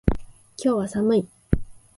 今日は寒い。